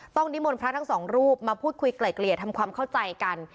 นิมนต์พระทั้งสองรูปมาพูดคุยไกล่เกลี่ยทำความเข้าใจกัน